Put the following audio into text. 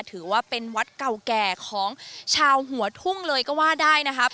ถือว่าเป็นวัดเก่าแก่ของชาวหัวทุ่งเลยก็ว่าได้นะครับ